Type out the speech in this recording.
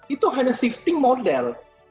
itu hanya shifting model